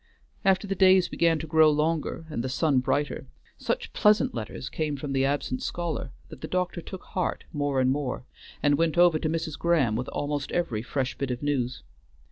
After the days began to grow longer, and the sun brighter, such pleasant letters came from the absent scholar, that the doctor took heart more and more, and went over to Mrs. Graham with almost every fresh bit of news.